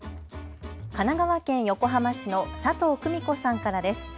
神奈川県横浜市の佐藤久美子さんからです。